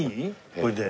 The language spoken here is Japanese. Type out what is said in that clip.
これで。